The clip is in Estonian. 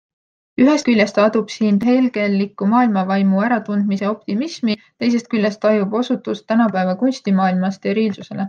Ühest küljest adub siin hegellikku maailmavaimu äratundmise optimismi, teisest küljest tajub osutust tänapäeva kunstimaailma steriilsusele.